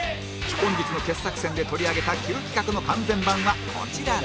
本日の傑作選で取り上げた９企画の完全版はこちらで